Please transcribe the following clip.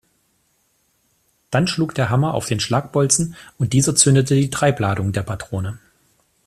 Dann schlug der Hammer auf den Schlagbolzen und dieser zündete die Treibladung der Patrone.